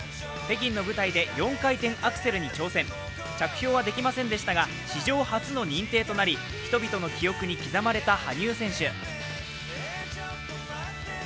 北京の舞台で４回転アクセルに挑戦着氷はできませんでしたが、史上初の認定となり人々の記憶に刻まれた羽生選手。